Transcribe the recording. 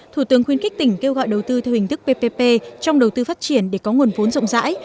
thủ tướng khuyến khích tỉnh kêu gọi đầu tư theo hình thức ppp trong đầu tư phát triển để có nguồn vốn rộng rãi